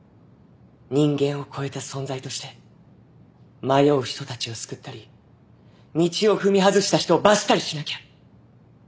人間を超えた存在として迷う人たちを救ったり道を踏み外した人を罰したりしなきゃ。